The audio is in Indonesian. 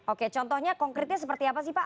oke contohnya konkretnya seperti apa sih pak